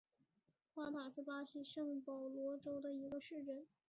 夸塔是巴西圣保罗州的一个市镇。